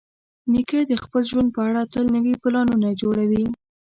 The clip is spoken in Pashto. نیکه د خپل ژوند په اړه تل نوي پلانونه جوړوي.